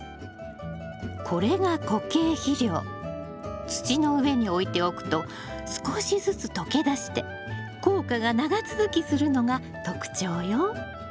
これが土の上に置いておくと少しずつ溶け出して効果が長続きするのが特徴よ。